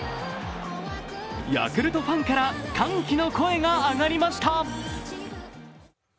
ヤクルトファンから歓喜の声が上がりました。